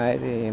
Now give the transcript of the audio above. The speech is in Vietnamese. đó là điều kiện